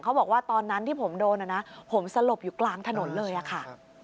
เขาบอกว่าตอนนั้นที่ผมโดนผมสลบอยู่กลางถนนเลยอะค่ะ